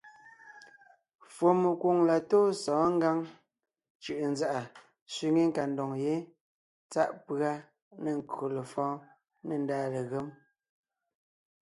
Fùɔmekwoŋ la tóo sɔ̌ɔn Ngǎŋ cʉ̀ʼʉnzàʼa sẅiŋe nkadoŋ ye tsáʼ pʉ́a nê nkÿo lefɔ̌ɔn nê ndàa legém.